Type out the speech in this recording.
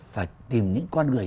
phải tìm những con người